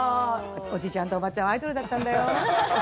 おじちゃんとおばちゃんはアイドルだったんだよ。